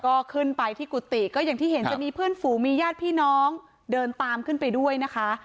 ก็ขึ้นไปที่กุฏิก็อย่างที่เห็นจะมีเพื่อนฝูมีญาติพี่น้องเดินตามขึ้นไปด้วยนะคะ